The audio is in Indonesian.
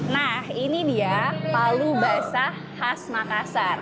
nah ini dia palu basah khas makassar